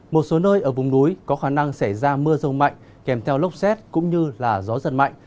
một số nơi ở vùng núi có khả năng xảy ra mưa rông mạnh kèm theo lốc xét cũng như gió giật mạnh